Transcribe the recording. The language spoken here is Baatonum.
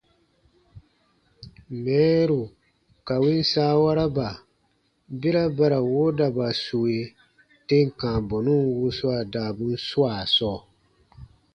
Mɛɛru ka win saawaraba, bera ba ra woodaba sue tem kãa bɔnun wuswaa daabun swaa sɔɔ.